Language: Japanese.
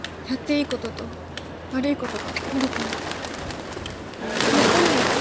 やっていいことと悪いことがあると思う麻衣